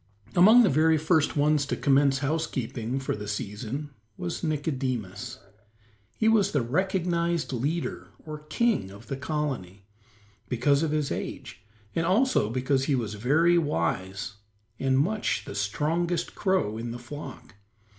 Among the very first ones to commence housekeeping for the season was Nicodemus. He was the recognized leader, or king of the colony, because of his age and also because he was very wise and much the strongest crow in the flock.